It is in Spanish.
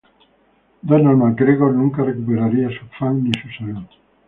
Donald MacGregor nunca recuperaría su afán ni su salud.